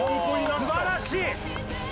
素晴らしい！